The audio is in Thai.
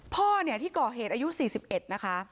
พ่อที่ก่อเหตุอายุ๔๑นะคะ